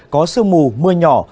có sương mù mưa nhỏ